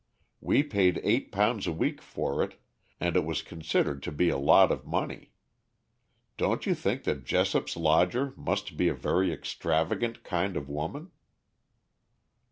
We paid eight pounds a week for it, and it was considered to be a lot of money. Don't you think that Jessop's lodger must be a very extravagant kind of woman?"